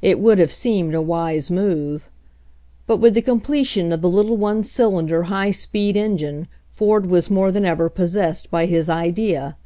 It would have seemed a wise move. But with the completion of the little one cylin der, high speed engine, Ford was more than ever possessed by his idea.